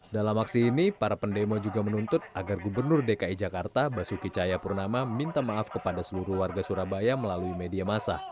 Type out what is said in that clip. dalam aksi ini para pendemo juga menuntut agar gubernur dki jakarta basuki cahayapurnama minta maaf kepada seluruh warga surabaya melalui media masa